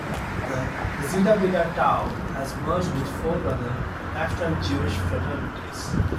The Zeta Beta Tau has merged with four other national Jewish fraternities.